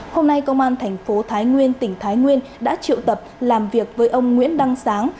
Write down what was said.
hôm nay công an thành phố thái nguyên tỉnh thái nguyên đã triệu tập làm việc với ông nguyễn đăng sáng